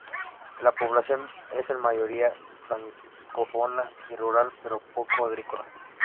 La población es en mayoría francófona y rural, pero poco agrícola.